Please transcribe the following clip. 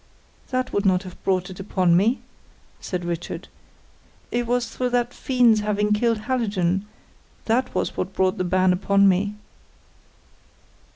"That would not have brought it upon me," said Richard. "It was through that fiend's having killed Hallijohn; that was what brought the ban upon me."